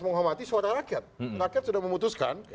menghormati suara rakyat rakyat sudah memutuskan